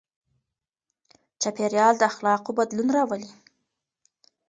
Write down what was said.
چاپېريال د اخلاقو بدلون راولي.